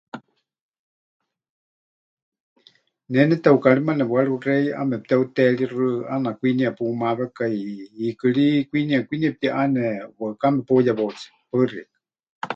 Ne neteukaríma nepɨwaruxei ʼemepɨteuteeríxɨ, ʼaana kwiniya pumawekai hiikɨ ri kwiniya kwinie pɨtiʼane, waɨká mepeuyewautse. Paɨ xeikɨ́a.